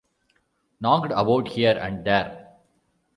Knocked about here and there.